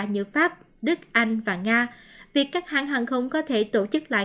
như pháp đức anh và nga việc các hãng hàng không có thể tổ chức lại